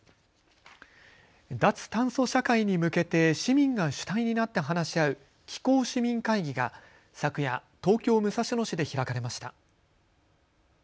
脱炭素社会に向けて市民が主体になって話し合う気候市民会議が昨夜、東京武蔵野市で開かれました。